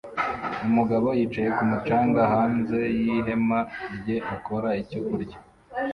Umugabo yicaye ku mucanga hanze y'ihema rye akora icyo kurya